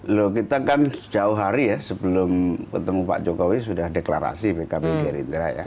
loh kita kan jauh hari ya sebelum ketemu pak jokowi sudah deklarasi pkb gerindra ya